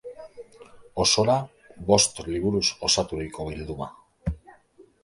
Osora bost liburuz osaturiko bilduma.